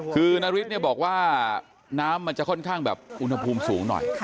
คือนาริสเนี่ยบอกว่าน้ำมันจะค่อนข้างแบบอุณหภูมิสูงหน่อย